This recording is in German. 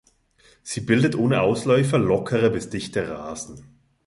Sie bildet ohne Ausläufer lockere bis dichte Rasen.